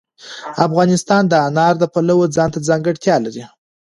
افغانستان د انار د پلوه ځانته ځانګړتیا لري.